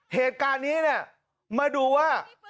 เหตุการณ์นี้เนี่ยมาดูว่า